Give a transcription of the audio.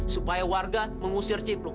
supaya warga mengusir cipluk